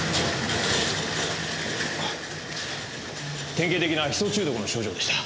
典型的なヒ素中毒の症状でした。